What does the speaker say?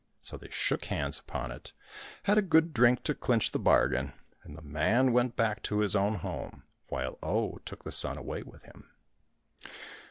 So they shook hands upon it, had a good drink to clinch the bargain, and the man went back to his own home, while Oh took the son away with him.